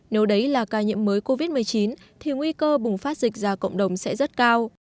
nếu đấy là ca nhiễm mới covid một mươi chín thì nguy cơ bùng phát dịch ra cộng đồng sẽ rất cao